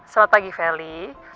selamat pagi feli